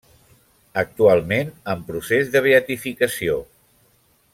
Actualment en procés de beatificació.